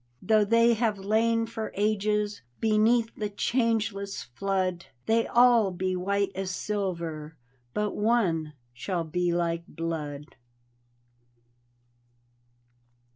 Though they have lain for ages Beneath the changeless flood, They ^all be white as silver, But one — shall be like blood.